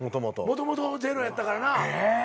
もともとゼロやったからな。